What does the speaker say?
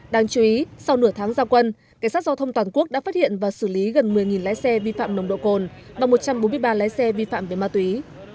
đáng chú ý sau nửa tháng giao quân cảnh sát giao thông toàn quốc đã phát hiện và xử lý gần một mươi lái xe vi phạm nồng độ cồn và một trăm bốn mươi ba lái xe vi phạm về ma túy